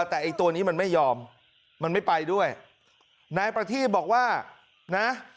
แต่ไอ้ตัวนี้มันไม่ยอมมันไม่ไปด้วยนายประทีบบอกว่านะ